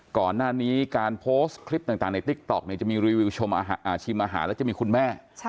ก่อนหน้านี้การโพสต์คลิปต่างในติ๊กต๊อกจะมีรีวิวชิมอาหารแล้วจะมีคุณแม่